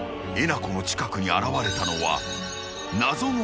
この近くに現れたのは］